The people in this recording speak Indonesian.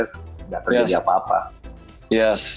nggak terjadi apa apa